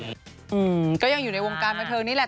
อืมก็ยังอยู่ในวงการบันเทิงนี่แหละ